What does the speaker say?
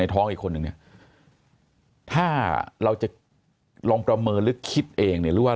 ท้องอีกคนนึงเนี่ยถ้าเราจะลองประเมินหรือคิดเองเนี่ยหรือว่า